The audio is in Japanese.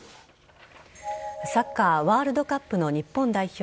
サッカーワールドカップの日本代表